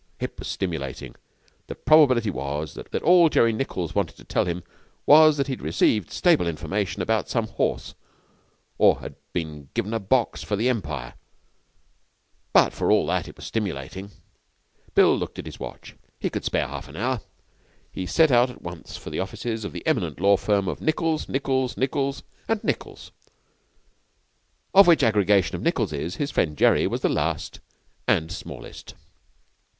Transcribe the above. It was stimulating. The probability was that all Jerry Nichols wanted to tell him was that he had received stable information about some horse or had been given a box for the Empire, but for all that it was stimulating. Bill looked at his watch. He could spare half an hour. He set out at once for the offices of the eminent law firm of Nichols, Nichols, Nichols, and Nichols, of which aggregation of Nicholses his friend Jerry was the last and smallest.